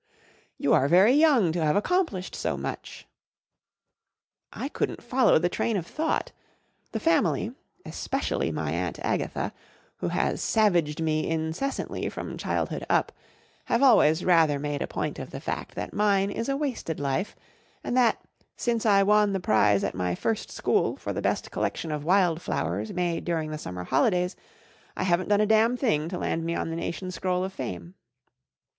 " You are very young to have accomplished so much !" I couldn't follow the train of thought. The family, especially my Aunt Agatha, who has savaged me incessantly from childhood up, have always rather made a point of the fact that mine is a wasted life, and that, since I won the prize at my first school for the best collection of wild dowers made during the summer holidays, I haven't done a dam' thing to land me on the nation's scroll of fame.